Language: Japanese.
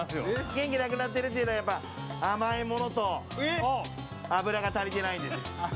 元気がなくなってるっていうのは甘いものと脂が足りてないです。